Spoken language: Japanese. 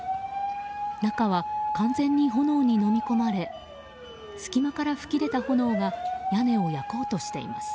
中は完全に炎にのみ込まれ隙間から噴き出た炎が屋根を焼こうとしています。